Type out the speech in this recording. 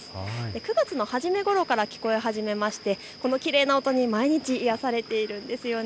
９月の初めごろから鳴き始めましてきれいな音に毎日癒やされてれているんです。